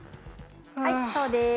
はいそうです。